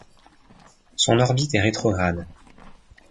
Son orbite est rétrograde.